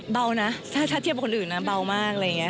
เบานะถ้าเทียบคนอื่นเบามาก